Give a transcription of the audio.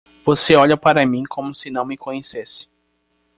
Você olha para mim como se não me conhecesse.